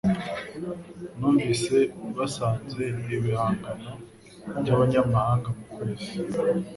Numvise basanze ibihangano byabanyamahanga ku kwezi